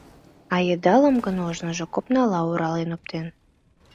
А йыдалым гын южыжо копнала орален оптен.